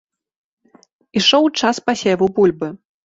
Ішоў час пасеву бульбы.